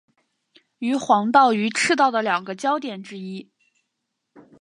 为黄道与赤道的两个交点之一。